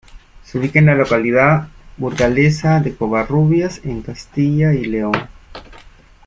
Se ubica en la localidad burgalesa de Covarrubias, en Castilla y León.